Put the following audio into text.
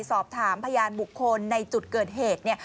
สอบถามพยานบุคคลในจุดเกิดเหตุ